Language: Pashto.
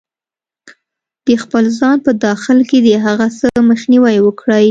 -د خپل ځان په داخل کې د هغه څه مخنیوی وکړئ